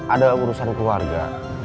ada urusan keluarga